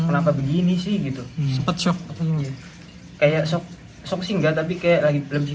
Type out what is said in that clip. kenapa begini sih gitu sepetok kayak sop sop singkat tapi kayak lagi lebih